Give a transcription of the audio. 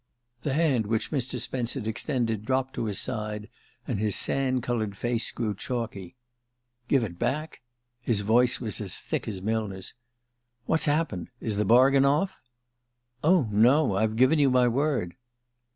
The hand which Mr. Spence had extended dropped to his side, and his sand coloured face grew chalky. "Give it back?" His voice was as thick as Millner's. "What's happened? Is the bargain off?" "Oh, no. I've given you my word."